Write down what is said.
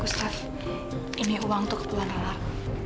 gustaf ini uang untuk kebun lalang